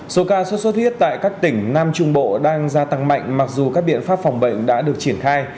số ca số số thiết tại các tỉnh nam trung bộ đang gia tăng mạnh mặc dù các biện pháp phòng bệnh đã được triển khai